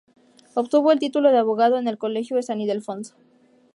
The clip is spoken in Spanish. Obtuvo el título de abogado en el Colegio de San Ildefonso.